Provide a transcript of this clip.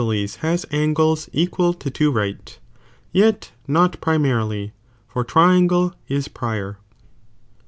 I any isosceles has angles equal to two right, yet not prinmrily, for triangle is prior.